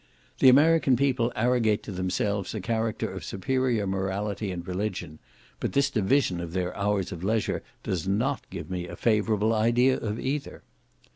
The American people arrogate to themselves a character of superior morality and religion, but this division of their hours of leisure does not give me a favourable idea of either.